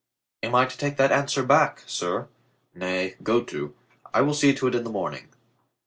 "Am I to take that answer back, sir?" "Nay, go to. I will see to it in the morning."